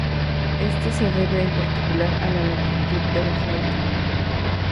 Esto se debe en particular a la longitud de la flauta.